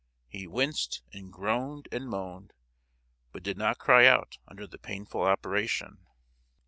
He winced, and groaned and moaned, but did not cry out under the painful operation.